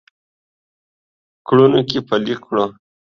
او کړنو کې پلي کړو